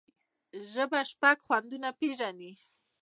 ژبه شپږ خوندونه پېژني.